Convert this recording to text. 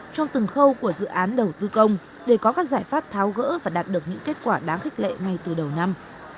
trong từng khâu của dự án đầu tư công để có các giải pháp tháo gỡ và đạt được những kết quả đáng khích lệ ngay từ đầu năm